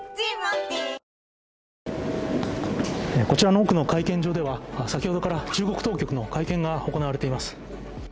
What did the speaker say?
こちらの奥の会見場では先ほどから中国当局の会見が行われています。